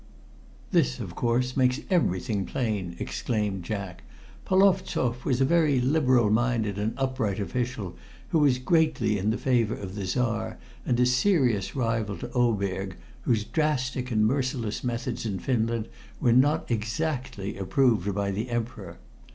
"This, of course, makes everything plain," exclaimed Jack. "Polovstoff was a very liberal minded and upright official who was greatly in the favor of the Czar, and a serious rival to Oberg, whose drastic and merciless methods in Finland were not exactly approved by the Emperor.